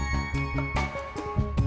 si diego udah mandi